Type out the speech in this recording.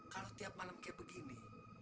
kalau setiap malam seperti ini